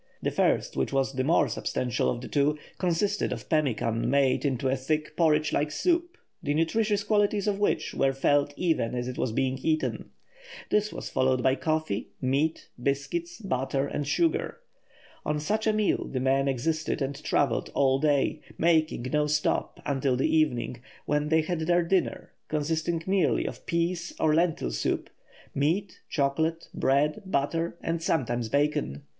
The first, which was the more substantial of the two, consisted of pemmican made into a thick porridge like soup, the nutritious qualities of which were felt even as it was being eaten. This was followed by coffee, meat, biscuits, butter and sugar. On such a meal the men existed and travelled all day, making no stop until the evening, when they had their dinner, consisting merely of pease or lentil soup, meat, chocolate, bread, butter, and, sometimes, bacon.